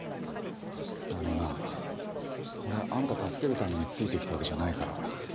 あのな俺はあんた助けるためについてきたわけじゃないから。